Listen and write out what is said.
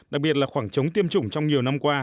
đặc biệt là khoảng trống tiêm chủng trong nhiều năm qua